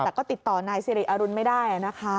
แต่ก็ติดต่อนายสิริอรุณไม่ได้นะคะ